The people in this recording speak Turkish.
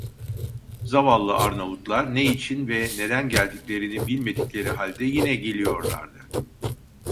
Zavallı Arnavutlar, ne için ve neden geldiklerini bilmedikleri halde yine geliyorlardı.